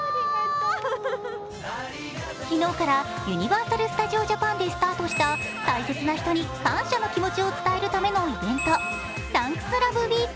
昨日から、ユニバーサル・スタジオ・ジャパンでスタートした大切な人に感謝の気持ちを伝えるためのイベントＴｈａｎｋｓＬｏｖｅＷｅｅｋ。